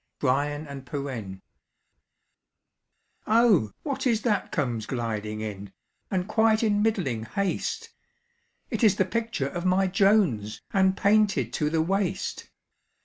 BRYAN AND PERENNE. "Oh! what is that comes gliding in, And quite in middling haste? It is the picture of my Jones, And painted to the waist.